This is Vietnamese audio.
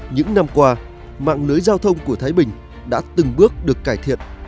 những năm qua mạng lưới giao thông của thái bình đã từng bước được cải thiện